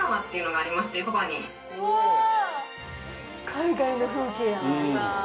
海外の風景やな。